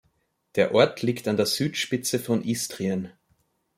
Der Ort liegt an der Südspitze von Istrien.